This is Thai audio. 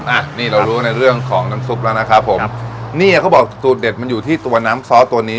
อ่ะนี่เรารู้ในเรื่องของน้ำซุปแล้วนะครับผมเนี่ยเขาบอกสูตรเด็ดมันอยู่ที่ตัวน้ำซอสตัวนี้